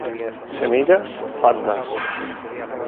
Semillas pardas.